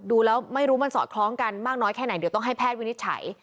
ดูแล้วไม่รู้มันสอดคล้องกันมากน้อยแค่ไหนเดี๋ยวต้องให้แพทย์วินิจฉัย